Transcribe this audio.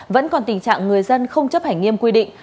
vẫn còn tình trạng người dân không chấp hành nghiêm quy định